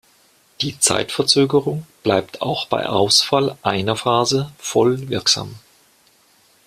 Die Zeitverzögerung bleibt auch bei Ausfall einer Phase voll wirksam.